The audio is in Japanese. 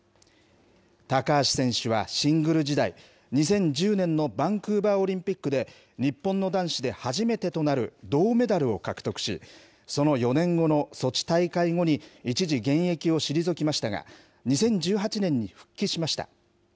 高橋選手はシングル時代、２０１０年のバンクーバーオリンピックで日本の男子で初めてとなる銅メダルを獲得し、その４年後のソチ大会後に一時、現役を退きましたが、２０１８年に復帰しました。